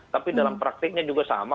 tapi dalam praktiknya juga sama